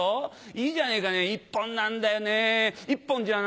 いいじゃねぇか１本なんだよね１本じゃない。